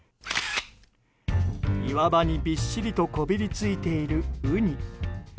岩場にびっしりとこびりついているウニ。